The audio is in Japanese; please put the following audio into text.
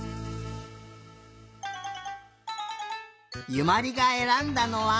ゆまりがえらんだのは？